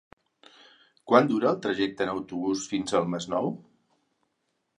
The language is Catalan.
Quant dura el trajecte en autobús fins al Masnou?